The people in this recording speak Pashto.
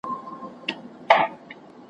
څومره طنازه څومره خوږه یې `